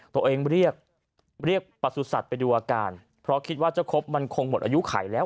ตัวเองเรียกเรียกประสุทธิ์ไปดูอาการเพราะคิดว่าเจ้าครบมันคงหมดอายุไขแล้ว